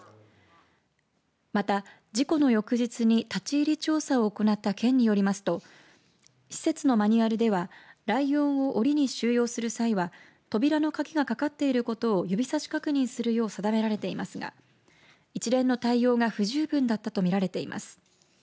また、事故の翌日に立ち入り調査を行った県によりますと施設のマニュアルではライオンをおりに収容する際は扉のかぎがかかっていることを指さし確認するよう定められていますが一連の対応が不十分だったと見られています。